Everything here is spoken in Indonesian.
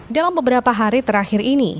dalam beberapa hari terakhir ini